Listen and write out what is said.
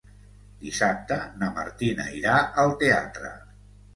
Dissabte na Martina irà al teatre.